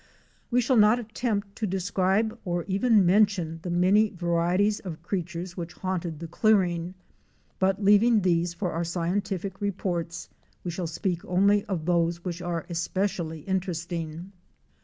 We shall not attempt to describe or even mention the many varieties of creatures which haunted the clearing, but leaving these for our scientific reports, we shall speak only of those which are especially interesting.